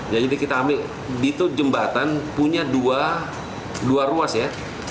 jadi kita ambil di itu jembatan punya dua ruas ya